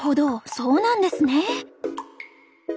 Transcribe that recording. そうなんですね。